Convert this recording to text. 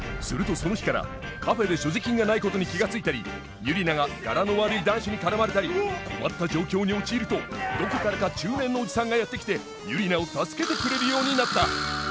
するとその日からカフェで所持金がないことに気が付いたりユリナがガラの悪い男子に絡まれたり困った状況に陥るとどこからか中年のおじさんがやって来てユリナを助けてくれるようになった！